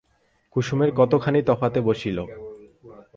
কুসুমের অনেকখানি তফাতে বসিল।